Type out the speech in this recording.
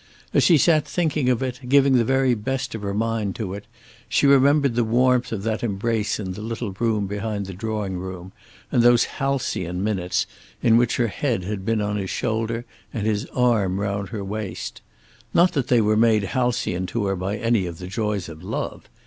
As she sat thinking of it, giving the very best of her mind to it, she remembered the warmth of that embrace in the little room behind the drawing room, and those halcyon minutes in which her head had been on his shoulder, and his arm round her waist. Not that they were made halcyon to her by any of the joys of love.